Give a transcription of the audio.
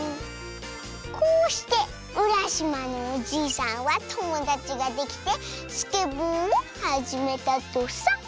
こうしてうらしまのおじいさんはともだちができてスケボーをはじめたとさ。